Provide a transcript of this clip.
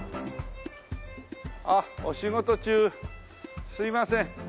あっお仕事中すいません。